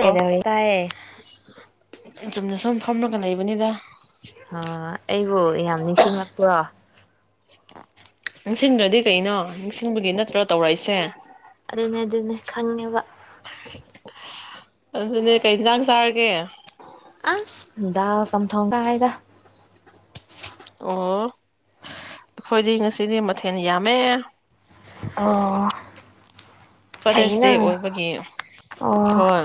꯭ꯔꯣ ꯀꯩꯗꯧꯔꯤ ꯇꯥꯏꯌꯦ ꯆꯨꯝꯅ ꯁꯨꯝ ꯐꯝꯂꯒ ꯂꯩꯕꯅꯤꯗ ꯑ ꯑꯩꯕꯨ ꯌꯥꯝ ꯅꯤꯡꯁꯤꯡꯂꯄ꯭ꯔꯣ [inaudible] ꯅꯤꯡꯁꯤꯡꯗ꯭ꯔꯗꯤ ꯀꯩꯅꯣ ꯅꯤꯡꯁꯤꯡꯕꯒꯤ ꯅꯠꯇ꯭ꯔꯣ ꯇꯧꯔꯛꯏꯁꯦ ꯑꯗꯨꯗꯅꯦ ꯑꯗꯨꯅꯦ ꯈꯪꯉꯦꯕ ꯑꯗꯨꯅꯦ ꯀꯩ ꯌꯦꯟꯁꯥꯡ ꯆꯥꯔꯒꯦ ꯗꯥ ꯆꯝꯊꯣꯡ ꯑꯣ ꯑꯩꯈꯣꯏꯗꯤ ꯉꯁꯤꯗꯤ ꯃꯊꯦꯜ ꯌꯥꯝꯃꯦ ꯑꯣ ꯐꯩꯌꯦ ꯐꯥꯗꯔꯁ ꯗꯦ ꯅ ꯑꯣꯏꯕꯒꯤ ꯑꯣ ꯍꯣꯏ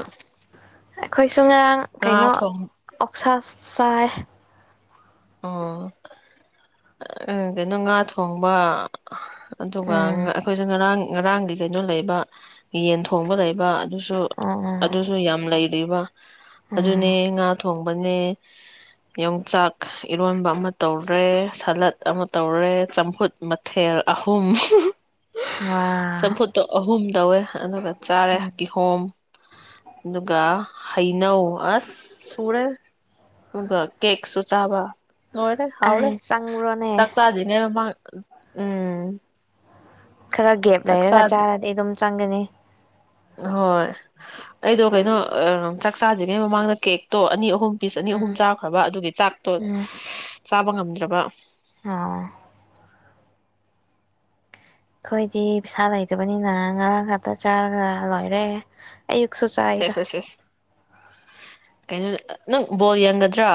ꯑꯩꯈꯣꯏꯁꯨ ꯉꯔꯥꯡ ꯉꯥ ꯀꯩꯅꯣ ꯊꯣꯡ ꯁꯥꯁꯨ ꯆꯥꯏ ꯑꯣ ꯎ ꯀꯩꯅꯣ ꯉꯥ ꯊꯣꯡꯕ ꯑꯗꯨꯒ ꯎꯝ ꯑꯩꯈꯣꯏꯁꯦ ꯉꯔꯥꯡ ꯉꯔꯥꯡꯒꯤ ꯀꯩꯅꯣ ꯂꯩꯕ ꯌꯦꯟ ꯊꯣꯡꯕ ꯂꯩꯕ ꯑꯗꯨꯁꯨ ꯎꯝ ꯎꯝ ꯑꯗꯨꯁꯨ ꯌꯥꯝ ꯂꯩ ꯂꯩꯕ ꯑꯗꯨꯅꯦ ꯎꯝ ꯉꯥ ꯊꯣꯡꯕꯅꯦ ꯌꯣꯡꯆꯥꯛ ꯏꯔꯣꯟꯕ ꯑꯃ ꯇꯧꯔꯦ ꯁꯂꯠ ꯑꯃ ꯇꯧꯔꯦ ꯆꯝꯐꯨꯠ ꯃꯊꯦꯜ ꯑꯍꯨꯝ ꯋꯥ ꯆꯐꯠꯇ ꯑꯍꯨꯝ ꯇꯧꯋꯦ ꯑꯗꯨꯒ ꯆꯥꯔꯦ ꯎꯝ ꯀꯤꯍꯣꯝ ꯑꯗꯨꯒ ꯍꯩꯅꯧ ꯑꯁ ꯁꯨꯔꯦ ꯑꯗꯨꯒ ꯀꯦꯛꯁꯨ ꯆꯥꯕ ꯂꯣꯏꯔꯦ ꯑ ꯍꯥꯎꯔꯦ ꯆꯥꯡꯉꯔ‌ꯣꯅꯦ ꯆꯥꯛ ꯆꯥꯁꯤꯅꯦ ꯃ ꯎꯡ ꯈꯔ ꯒꯦꯞ ꯂꯩꯔꯒ ꯆꯥꯔꯗꯤ ꯑꯗꯨꯝ ꯆꯪꯒꯅꯤ ꯍꯣꯏ ꯑꯩꯗꯣ ꯀꯩꯅꯣ ꯆꯥꯛ ꯆꯥꯗ꯭ꯔꯤꯉꯩ ꯃꯃꯥꯡꯗ ꯀꯦꯛꯇꯣ ꯑꯅꯤ ꯑꯍꯨꯝ ꯑꯣꯛ ꯄꯤꯁ ꯑꯅꯤ ꯑꯍꯨꯝ ꯎꯝ ꯆꯥꯈ꯭ꯔꯕ ꯑꯗꯨꯒꯤ ꯆꯥꯛꯇꯣ ꯆꯥꯕ ꯉꯝ ꯅꯠꯇ꯭ꯔꯒ ꯑ ꯑꯩꯈꯣꯏꯗꯤ ꯄꯩꯁꯥ ꯂꯩꯇꯕꯅꯤꯅ ꯉꯔꯥꯡ ꯉꯥꯛꯇ ꯆꯥꯔꯒ ꯂꯣꯏꯔꯦ ꯑꯌꯨꯛꯁꯨ ꯆꯥꯏꯗ ꯁꯦꯦꯁ ꯀꯩꯅꯩꯅ ꯅꯪ ꯣꯔꯤ ꯍꯪ ꯖꯥ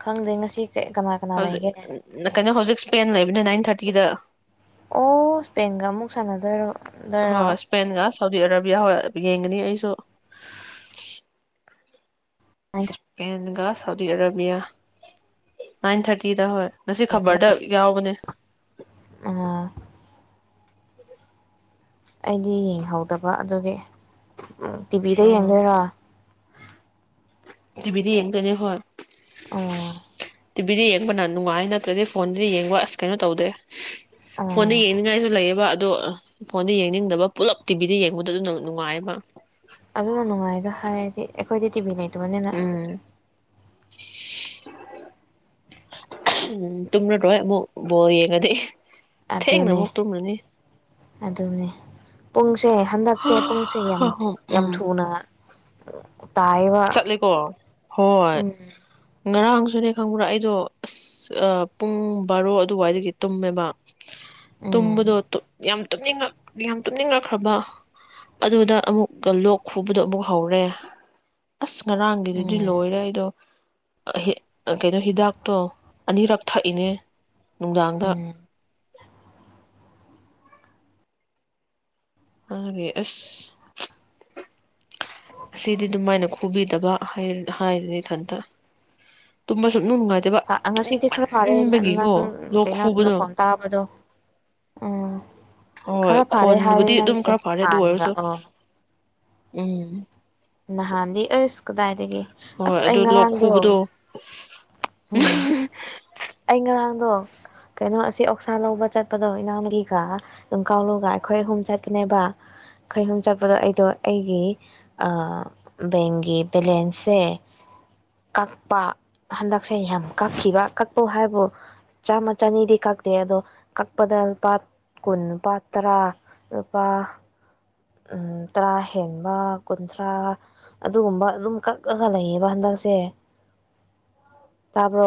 ꯈꯪꯗꯦ ꯉꯁꯤ ꯀꯩ ꯀꯅꯥ ꯀꯅꯥ ꯂꯩꯒꯦ ꯍꯧꯖꯤꯛ ꯍꯧꯖꯤꯛ ꯁꯄꯥꯏꯟ ꯂꯩꯕꯅꯤꯅꯥ ꯊꯥꯔꯇꯤꯗ ꯑꯣ ꯏꯁꯄꯦꯟꯒ ꯑꯃꯨꯛ ꯁꯥꯟꯅꯗꯣꯏꯔꯣ ꯍ ꯗꯣꯏꯔꯣ ꯏꯁꯄꯦꯦꯟꯒꯥꯁ ꯁꯥꯎꯗꯤ ꯑꯔꯥꯕꯤꯌꯥ ꯍ ꯌꯦꯡꯒꯅꯤ ꯑꯩꯁꯨ ꯁꯄꯦꯟꯒ ꯁꯥꯎꯗꯤ ꯑꯔꯥꯕꯤꯌꯥ ꯅꯥꯏꯟ ꯊꯥꯔꯇꯤꯗ ꯍꯣꯏ ꯉꯁꯤ ꯈꯕꯔꯗ ꯌꯥꯎꯕꯅꯦ ꯑꯥ ꯑꯩꯗꯤ ꯌꯦꯡꯍꯧꯗꯕ ꯑꯗꯨꯒꯤ ꯎ ꯇꯤꯚꯤꯗ ꯎꯝ ꯌꯦꯡꯗꯣꯏꯔꯣ ꯇꯚꯗꯤꯟꯣ ꯑꯦꯅꯦ ꯍ ꯑꯥ ꯇꯤꯚꯗ ꯌꯦꯡꯕꯅ ꯅꯨꯡꯉꯥꯏ ꯅꯠꯇ꯭ꯔꯗꯤ ꯐꯣꯟꯗꯨꯗꯤ ꯌꯦꯡꯕ ꯑꯁ ꯀꯩꯅꯣ ꯇꯧꯗꯦ ꯐꯣꯟꯗ ꯑꯥ ꯌꯦꯡꯅꯤꯡꯉꯥꯏꯁꯨ ꯂꯩꯌꯦꯕ ꯑꯗꯣ ꯐꯣꯟꯗꯣ ꯌꯦꯡꯅꯤꯡꯗꯕ ꯄꯨꯂꯞ ꯇꯤꯚꯤꯗ ꯌꯦꯡꯕꯗ ꯑꯗꯨ ꯅꯨꯡꯉꯥꯏꯌꯦꯕ ꯑꯗꯨꯅ ꯅꯨꯡꯉꯥꯏꯗ ꯍꯥꯏꯔꯗꯤ ꯑꯩꯈꯣꯏꯗꯤ ꯇꯤꯕꯤ ꯂꯩꯇꯦ ꯃꯅꯤꯅ ꯎꯝ ꯎꯝ ꯇꯨꯝꯅꯔꯣꯏ ꯑꯃꯨꯛ ꯕꯣ ꯌꯦꯡꯉꯗꯤ ꯊꯦꯡꯅ ꯑꯗꯨꯅꯦ ꯑꯃꯨꯛ ꯇꯨꯝꯔꯅꯤ ꯑꯗꯨꯅꯦ ꯄꯨꯡꯁꯦ ꯍꯟꯗꯛꯁꯦ ꯄꯨꯡꯁꯦ ꯌꯥꯝ ꯌꯥꯝ ꯎꯝ ꯊꯨꯅ ꯑ ꯆꯠꯂꯦꯀꯣ ꯍꯣꯏ ꯎꯝ ꯉꯔꯥꯡꯁꯨꯅꯦ ꯈꯪꯕ꯭ꯔꯥ ꯑꯩꯗꯣ ꯑꯁ ꯄꯨꯡ ꯕꯥꯔꯣ ꯑꯗꯨꯋꯥꯏꯗꯒꯤ ꯇꯨꯝꯃꯦꯕ ꯎꯝ ꯇꯨꯝꯝꯕꯗꯣꯠꯇ ꯌꯥꯝ ꯇꯨꯝꯅꯤꯡꯉꯛ ꯌꯥꯝ ꯇꯨꯝꯅꯤꯡꯉꯛꯈ꯭ꯔꯕ ꯑꯗꯨꯗ ꯑꯃꯨꯛꯀ ꯂꯣꯛ ꯈꯨꯕꯗꯣ ꯑꯃꯨꯛ ꯍꯧꯔꯦ ꯑꯁ ꯉꯔꯥꯡꯒꯤꯗꯨꯗꯤ ꯎꯝ ꯂꯣꯏꯔꯦ ꯑꯩꯗꯣ ꯀꯩꯅꯣ ꯍꯤꯗꯥꯛꯇꯣ ꯑꯅꯤꯔꯛ ꯊꯛꯏꯅꯦ ꯅꯨꯡꯗꯥꯡꯗ ꯎꯝ ꯑꯦ ꯑꯁ ꯑꯁꯤꯗꯤ ꯑꯗꯨꯃꯥꯏꯅ ꯈꯨꯕꯤꯗꯕ ꯍꯥꯏꯔꯤꯅꯤ ꯏꯊꯟꯇ ꯇꯨꯝꯕꯁꯨ ꯉꯁꯤꯗꯤ ꯈꯔ ꯐꯔꯦ ꯅꯪ ꯂꯣꯛ ꯀꯩꯅꯣꯅ ꯈꯨꯕꯗꯣ ꯐꯣꯟ ꯇꯥꯕꯗꯣ ꯎꯝ ꯍꯣꯏ ꯍꯣꯏ ꯈꯔ ꯐꯔꯦ ꯍꯥꯏꯔꯦ ꯈꯣꯟꯗꯨꯕꯨꯗꯤ ꯑꯗꯨꯝ ꯅꯪꯒꯤꯗꯣ ꯈꯔ ꯐꯥꯔꯦ ꯑꯗꯨ ꯅꯍꯥꯟꯒ ꯑꯣꯏꯔꯁꯨ ꯑꯣ ꯎꯝ ꯅꯍꯥꯟꯗꯤꯁ ꯀꯗꯥꯏꯗꯒꯤꯦ ꯍꯣꯏ ꯑꯗꯨ ꯂꯧꯣꯛ ꯈꯨꯨꯕꯗꯣ ꯍꯝ ꯑꯩ ꯉꯔꯥꯡꯗꯣ ꯀꯩꯅꯣ ꯑꯁꯤ ꯑꯣꯛꯁꯥ ꯂꯧꯕ ꯆꯠꯄꯗꯣ ꯏꯅꯥꯎꯒꯤꯒ ꯑꯗꯨꯝ ꯀꯥꯎꯂꯨꯒ ꯑꯩꯈꯣꯏ ꯑꯍꯨꯝ ꯆꯠꯀꯅꯦꯕ ꯑꯩꯈꯣꯏ ꯑꯍꯨꯝ ꯆꯠꯄꯗꯣ ꯑꯩꯗꯣ ꯑꯩꯒꯤ ꯕꯦꯡꯒꯤ ꯕꯦꯂꯦꯟꯁꯁꯦ ꯀꯛꯄ ꯍꯟꯗꯛ ꯛꯁꯦ ꯌꯥꯝ ꯀꯛꯈꯤꯕ ꯀꯛꯄꯧ ꯍꯥꯏꯕꯨ ꯆꯥꯝꯃ ꯆꯅꯤꯗꯤ ꯀꯛꯇꯦ ꯑꯗꯣ ꯀꯛꯄꯗ ꯂꯨꯄꯥ ꯀꯨꯟ ꯂꯨꯄꯥ ꯇꯔꯥ ꯂꯨꯄꯥ ꯎꯝ ꯇꯔꯥ ꯍꯦꯟꯕ ꯀꯨꯟꯊ꯭ꯔꯥ ꯑꯗꯨꯒꯨꯝꯕ ꯑꯗꯨꯝ ꯀꯛꯑꯒ ꯂꯩꯌꯦꯕ ꯍꯟꯗꯛꯁꯦ ꯇꯥꯕ꯭ꯔꯣ